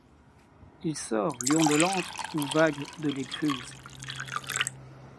Il sort, lion de l’antre, ou vague de l’écluse.